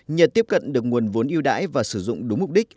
nhờ tiếp cận được nguồn vốn yêu đãi và sử dụng đúng mục đích